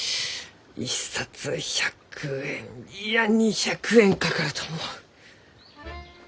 一冊１００円いや２００円かかると思う。